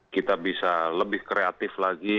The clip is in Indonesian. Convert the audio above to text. kita bisa lebih kreatif lagi